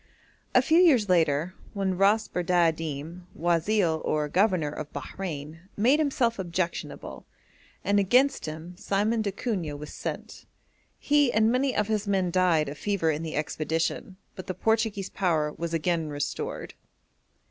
A few years later, one Ras Bardadim, guazil, or governor of Bahrein, made himself objectionable, and against him Simeon d'Acunha was sent. He and many of his men died of fever in the expedition, but the Portuguese power was again restored.